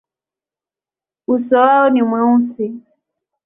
Uso wao ni mweusi.